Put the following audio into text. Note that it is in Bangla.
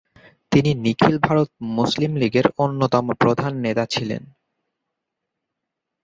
তিনি নিখিল ভারত মুসলিম লীগের অন্যতম প্রধান নেতা ছিলেন।